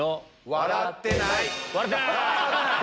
笑ってない。